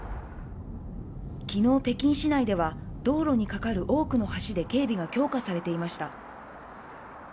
昨日、北京市内では道路にかかる多くの橋で警備が強化されていました。